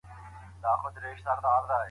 علم څنګه د کارونو څرنګوالی کشفوي؟